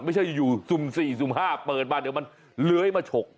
ไม่ใช่อยู่สุ่ม๔สุ่ม๕เปิดมาเดี๋ยวมันเลื้อยมาฉก